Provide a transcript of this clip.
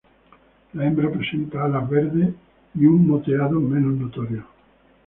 La hembra presenta alas verdes y un moteado menos notorio.